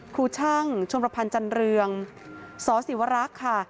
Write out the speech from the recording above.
ครูช่างชมรพรรณจันเรือศสีวรักษ์ค่ะ